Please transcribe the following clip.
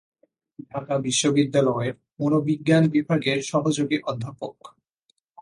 ঢাকা বিশ্ববিদ্যালয়ের মনোবিজ্ঞান বিভাগের সহযোগী অধ্যাপক।